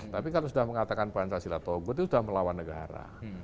tapi kalau sudah mengatakan pancasila togut itu sudah melawan negara